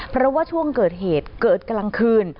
เพราะว่าช่วงเกิดเหตุเกิดกลางคืน